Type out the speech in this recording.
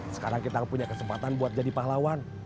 sekarang kita punya kesempatan buat jadi pahlawan